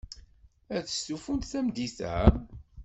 Ad stufunt tameddit-a?